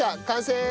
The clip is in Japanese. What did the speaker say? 完成！